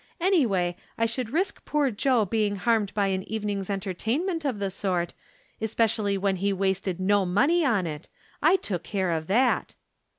Anyway, I should risk poor Joe being harmed by an evening's entertainment of the sort, especially when he wasted no money on it ; I took care of that."